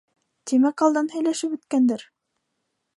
Тимәк алдан һөйләшеп бөткәндәр.